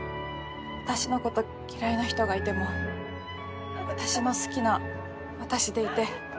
私のこと嫌いな人がいても私の好きな私でいて。